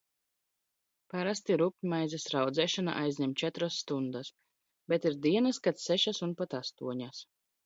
Parasti rupjmaizes raudzēšana aizņem četras stundas, bet ir dienas, kad sešas un pat astoņas.